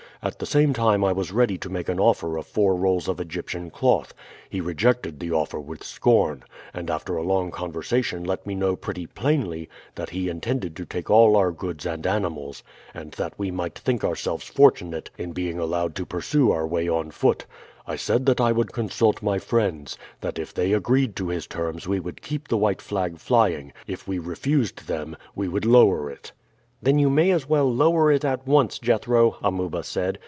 At the same time I was ready to make an offer of four rolls of Egyptian cloth. He rejected the offer with scorn, and after a long conversation let me know pretty plainly that he intended to take all our goods and animals, and that we might think ourselves fortunate in being allowed to pursue our way on foot. I said that I would consult my friends; that if they agreed to his terms we would keep the white flag flying; if we refused them, we would lower it." "Then you may as well lower it at once, Jethro," Amuba said.